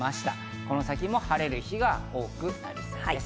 この先も晴れる日が多くなりそうです。